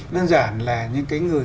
đơn giản là những cái người